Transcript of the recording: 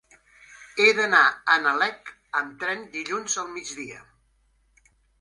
He d'anar a Nalec amb tren dilluns al migdia.